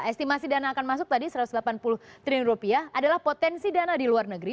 estimasi dana akan masuk tadi satu ratus delapan puluh triliun rupiah adalah potensi dana di luar negeri